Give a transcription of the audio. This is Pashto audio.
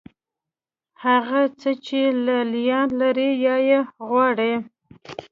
هغه څه چې لې لیان لري یا یې غواړي.